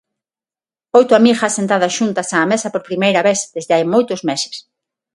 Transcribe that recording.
Oito amigas sentadas xuntas á mesa por primeira vez desde hai moitos meses.